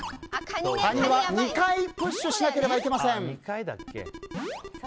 カニは２回プッシュしなければいけません。